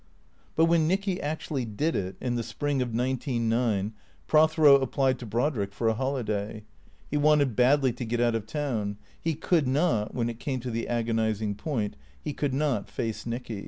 But when Nicky actually did it (in the spring of nineteen nine) Prothero applied to Brodrick for a holiday. He wanted badly to get out of town. He could not — when it came to the agonizing point — he could not face Nicky.